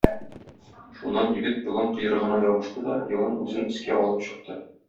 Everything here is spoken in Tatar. Шуннан егет елан койрыгына ябышты да, елан үзен өскә алып чыкты.